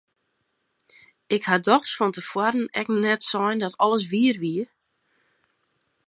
Ik ha dochs fan te foaren ek net sein dat alles wier wie!